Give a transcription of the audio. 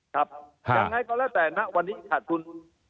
ครับยังไงก็แล้วแต่ณวันนี้ขาดทุน